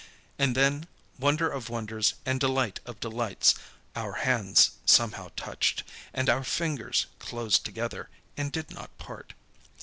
And then, wonder of wonders and delight of delights! our hands somehow touched, and our fingers closed together and did not part.